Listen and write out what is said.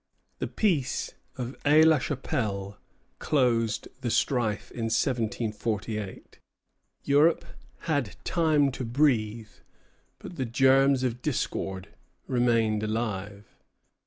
The peace of Aix la Chapelle closed the strife in 1748. Europe had time to breathe; but the germs of discord remained alive.